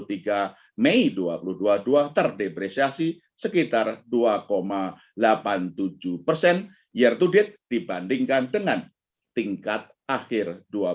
pada mei dua ribu dua puluh dua terdepresiasi sekitar dua delapan puluh tujuh persen year to date dibandingkan dengan tingkat akhir dua ribu dua puluh satu